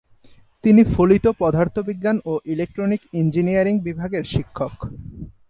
তিনি ফলিত পদার্থবিজ্ঞান ও ইলেক্ট্রনিক ইঞ্জিনিয়ারিং বিভাগের শিক্ষক।